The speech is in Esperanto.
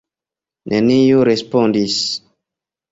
Neniu respondis.